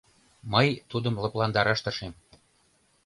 Мый тудым лыпландараш тыршем.